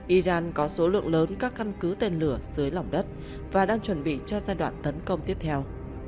iran có số lượng lớn các căn cứ tên lửa dưới lòng đất và đang chuẩn bị cho giai đoạn tấn công tiếp theo